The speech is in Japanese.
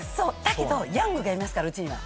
だけどヤングがいますからうちには。